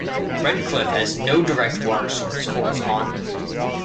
Redcliff has no direct water source for its on.